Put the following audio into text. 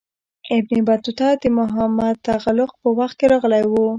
ابن بطوطه د محمد تغلق په وخت کې راغلی و.